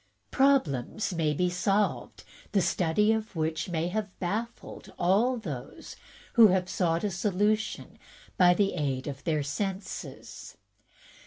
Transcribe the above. Problems may be solved in the study which have baffled all those who have sought a solution by the aid of their senses.